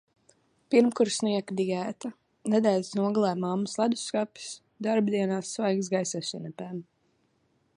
Pirmkursnieka diēta: nedēļas nogalēs mammas ledusskapis, darbdienās svaigs gaiss ar sinepēm.